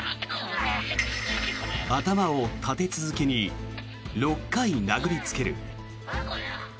頭を立て続けに６回殴りつける。